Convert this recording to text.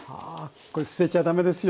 これ捨てちゃだめですよ。